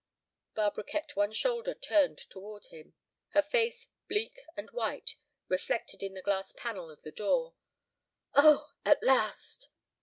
Barbara kept one shoulder turned toward him, her face, bleak and white, reflected in the glass panel of the door. "Oh—at last!"